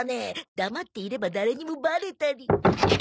黙っていれば誰にもバレたり。